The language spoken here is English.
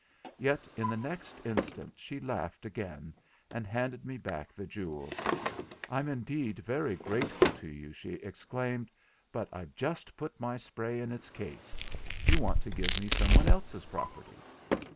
Yet, in the next instant, she laughed again, and handed me back the jewel. 'I'm indeed very grateful to you,' she exclaimed, 'but I've just put my spray in its case; you want to give me someone else's property.'